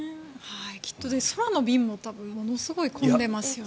きっと空の便もものすごい混んでますよね。